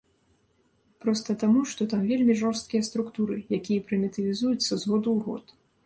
Проста таму, што там вельмі жорсткія структуры, якія прымітывізуюцца з году ў год.